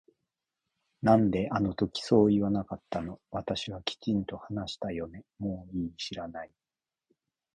なんであの時そう言わなかったの私はきちんと話したよねもういい知らない